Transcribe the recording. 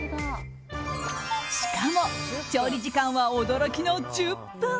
しかも調理時間は驚きの１０分。